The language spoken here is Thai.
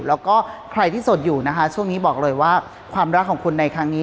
แล้วก็ใครที่สดอยู่นะคะช่วงนี้บอกเลยว่าความรักของคุณในครั้งนี้